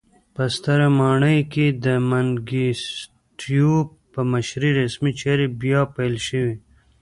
په ستره ماڼۍ کې د منګیسټیو په مشرۍ رسمي چارې بیا پیل شوې.